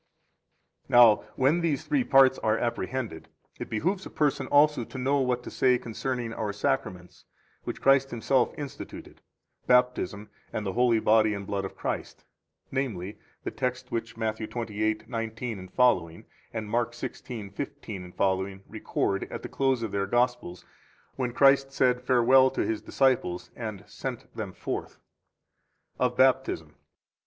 20 Now, when these three parts are apprehended, it behooves a person also to know what to say concerning our Sacraments, which Christ Himself instituted, Baptism and the holy body and blood of Christ, namely, the text which Matthew 28:19ff and Mark 16:15f record at the close of their Gospels when Christ said farewell to His disciples and sent them forth. 21 OF BAPTISM.